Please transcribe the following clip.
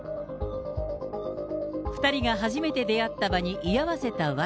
２人が初めて出会った場に居合わせた訳。